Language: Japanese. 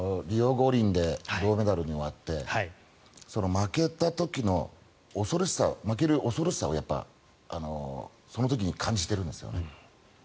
五輪で銅メダルに終わってその負けた時の恐ろしさ負ける恐ろしさをやっぱりその時に感じてるんですよね。